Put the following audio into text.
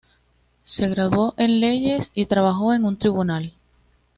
Se graduó en leyes y trabajó en un tribunal.